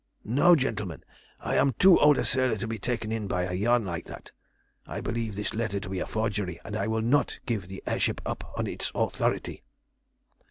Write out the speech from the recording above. "No, gentlemen, I am too old a sailor to be taken in by a yarn like that. I believe this letter to be a forgery, and I will not give the air ship up on its authority."